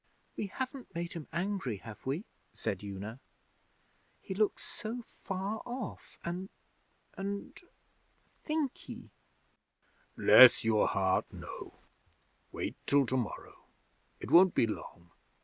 'We haven't made him angry, have we?' said Una. 'He looks so far off, and and thinky.' 'Bless your heart, no. Wait till tomorrow. It won't be long.